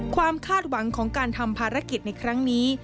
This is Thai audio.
คาดหวังของการทำภารกิจในครั้งนี้